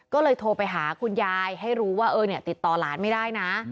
ก็เลยโทรไปหาคุณยายให้รู้ว่าติดต่อหลานไม่ได้นะ